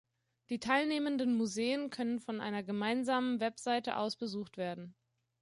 Die teilnehmenden Museen können von einer gemeinsamen Webseite aus besucht werden.